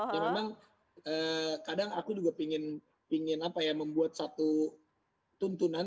ya memang kadang aku juga pingin apa ya membuat satu tuntunan